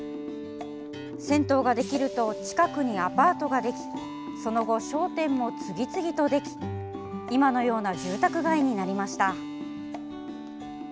銭湯ができると近くにアパートができその後、商店も次々とでき今のような住宅街になりました。